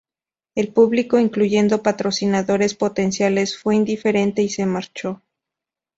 El público, incluyendo patrocinadores potenciales, fue indiferente y se marchó.